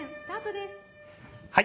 はい。